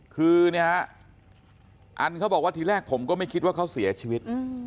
คือเนี่ยอันเขาบอกว่าทีแรกผมก็ไม่คิดว่าเขาเสียชีวิต